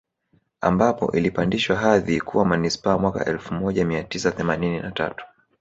Ambayo ilipandishwa hadhi kuwa Manispaa mwaka elfu moja mia tisa themanini na tatu